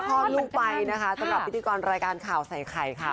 คลอดลูกไปนะคะสำหรับพิธีกรรายการข่าวใส่ไข่ค่ะ